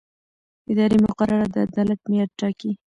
اداري مقررات د عدالت معیار ټاکي.